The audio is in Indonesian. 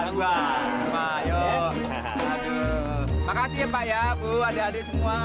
aduh terima kasih bu adik adik semua